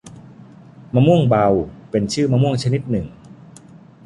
มะม่วงเบา เป็นชื่อมะม่วงชนิดหนึ่ง